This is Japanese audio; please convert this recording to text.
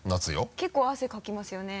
結構汗かきますよね。